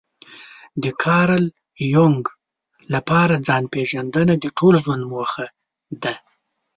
د کارل يونګ لپاره ځان پېژندنه د ټول ژوند موخه ده.